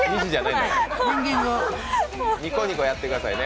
ニコニコやってくださいね。